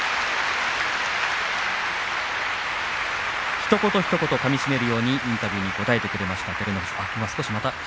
ひと言ひと言かみしめるようにインタビューに答えてくれました。